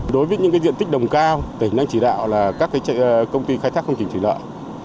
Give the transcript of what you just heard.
đối với những diện tích đồng cao tỉnh đang chỉ đạo là các công ty khai thác công trình thủy lợi